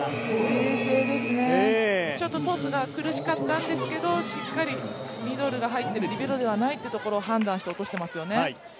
冷静ですね、ちょっとトスが苦しかったんですけど、しっかりミドルが入ってるリベロではないというところを判断して落としていますよね。